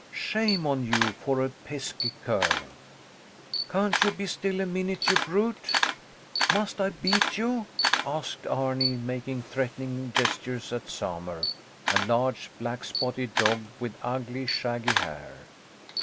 Shame on you for a pesky cur! Can't you be still a minute, you brute? Must I beat you? asked Arni, making threatening gestures at Samur, a large, black spotted dog with ugly, shaggy hair.